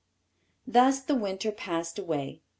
Thus the winter passed away.